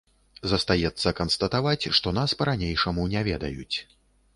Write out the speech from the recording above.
Застаецца канстатаваць, што нас па-ранейшаму не ведаюць.